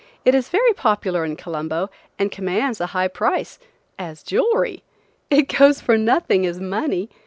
It is very popular in Colombo and commands a high price–as jewelry! It goes for nothing as money.